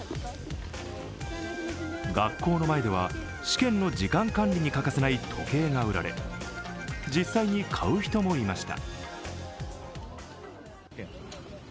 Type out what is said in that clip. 学校の前では、試験の時間管理に欠かせない時計が売られ、実際に買う人もいました。